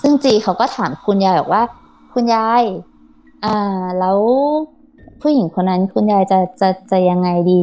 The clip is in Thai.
ซึ่งจีเขาก็ถามคุณยายบอกว่าคุณยายแล้วผู้หญิงคนนั้นคุณยายจะจะยังไงดี